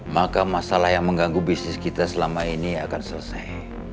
maka masalah yang mengganggu bisnis kita selama ini akan selesai